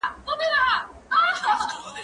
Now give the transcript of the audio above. سندري د ملګرو له خوا اورېدلې کيږي؟!